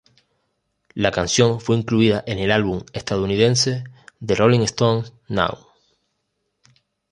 La canción fue incluida en el álbum estadounidense "The Rolling Stones, Now!